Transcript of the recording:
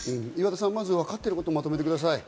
まずわかっていることをまとめてください。